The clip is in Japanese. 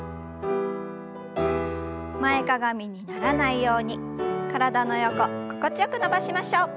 前かがみにならないように体の横心地よく伸ばしましょう。